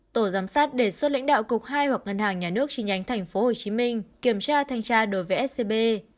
tổ giám sát đề xuất lãnh đạo cục hai hoặc ngân hàng nhà nước chi nhánh tp hcm kiểm tra thanh tra đối với scb